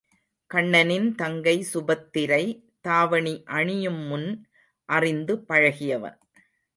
கண்ணனின் தங்கை சுபத்திரை தாவணி அணியும் முன் அறிந்து பழகியவன்.